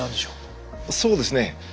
そうですね